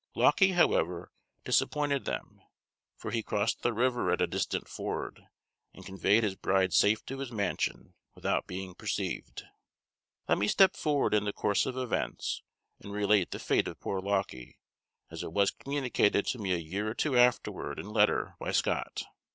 Lauckie, however, disappointed them; for he crossed the river at a distant ford, and conveyed his bride safe to his mansion without being perceived. Let me step forward in the course of events, and relate the fate of poor Lauckie, as it was communicated to me a year or two afterward in letter by Scott.